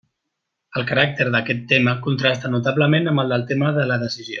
El caràcter d'aquest tema contrasta notablement amb el del tema de la decisió.